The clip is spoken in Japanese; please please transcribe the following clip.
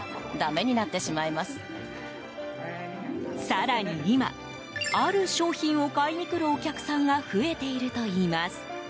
更に、今ある商品を買いにくるお客さんが増えているといいます。